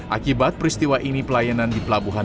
akibat peristiwa ini pelayanan di pelabuhan